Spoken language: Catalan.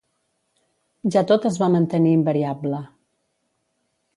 Ja tot és va mantenir invariable.